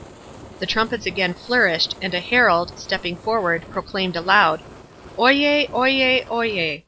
The trumpets then again flourished, and a herald, stepping forward, proclaimed aloud,—"Oyez, oyez, oyez.